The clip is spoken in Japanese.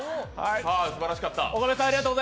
すばらしかった。